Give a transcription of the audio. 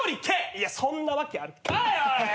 いやそんなわけあるかーい！